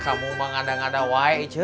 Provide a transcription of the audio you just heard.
kamu bang ada ada wai ije